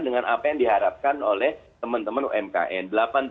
dengan apa yang diharapkan oleh teman teman umkm